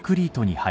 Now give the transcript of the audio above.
はい。